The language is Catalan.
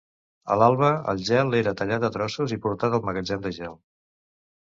A l'alba, el gel era tallat a trossos i portat al magatzem de gel.